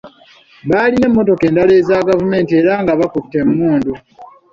Baalina emmotoka endala eza gavumenti era nga bakutte emmundu .